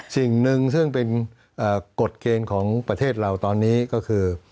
สิ่งหนึ่งซึ่งเป็นกฎเกณฑ์ของประเทศเราตอนนี้ก็คือ